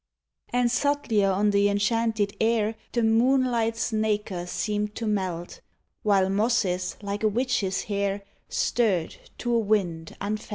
And subtlier on the enchanted air The moonlight's nacre seemed to melt, While mosses like a witch's hair Stirred to a wind unfelt.